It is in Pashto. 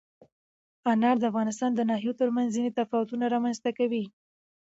انار د افغانستان د ناحیو ترمنځ ځینې تفاوتونه رامنځ ته کوي.